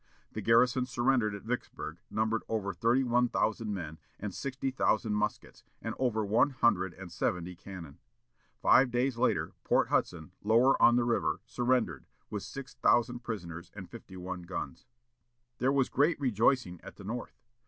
The garrison surrendered at Vicksburg numbered over thirty one thousand men, with sixty thousand muskets, and over one hundred and seventy cannon. Five days later, Port Hudson, lower on the river, surrendered, with six thousand prisoners and fifty one guns. There was great rejoicing at the North.